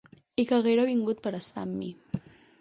I que haguera vingut per estar amb mi.